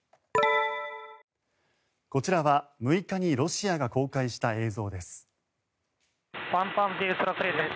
こちらは６日にロシアが公開した映像です。